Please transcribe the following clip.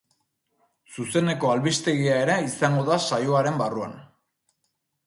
Zuzeneko albistegia ere izango da saioaren barruan.